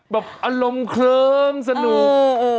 แบบอารมณ์เคลิ้มสนุก